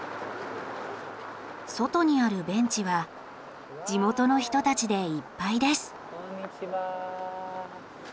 外にあるベンチは地元の人たちでいっぱいです。